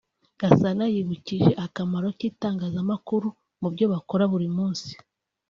Gasana yibukije akamaro k’itangazamakuru mu byo bakora buri munsi